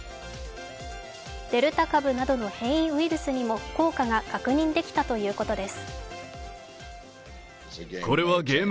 デルタ株などの変異ウイルスにも効果が確認できたということです。